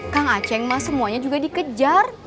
kang aceng mah semuanya juga dikejar